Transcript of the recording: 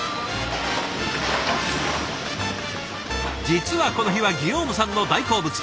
実はこの日はギヨームさんの大好物。